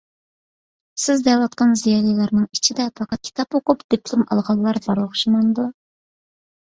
سىز دەۋاتقان زىيالىيلارنىڭ ئىچىدە پەقەت كىتاب ئوقۇپ دىپلوم ئالغانلار بار ئوخشىمامدۇ؟